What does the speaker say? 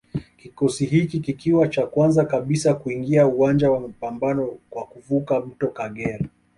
Kikosi hiki kikiwa cha kwanza kabisa kuingia uwanja wa mapambano kwa kuvuka mto Kagera